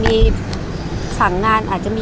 ภาษาสนิทยาลัยสุดท้าย